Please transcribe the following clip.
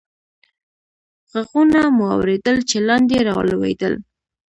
ږغونه مو اورېدل، چې لاندې رالوېدل.